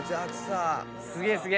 すげえすげえ。